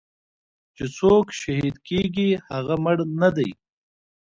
چې سوک شهيد کيګي هغه مړ نه دې.